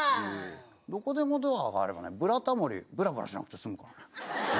どこでもドアがあればね『ブラタモリ』ブラブラしなくて済むからね。